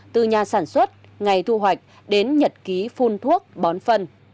từ nhà sản xuất ngày thu hoạch đến nhật ký phun thuốc bón phân